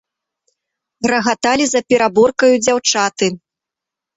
Рагаталі за пераборкаю дзяўчаты.